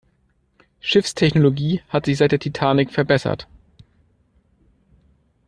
Schiffstechnologie hat sich seit der Titanic verbessert.